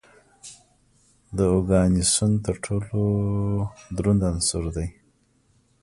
د اوګانیسون تر ټولو دروند عنصر دی.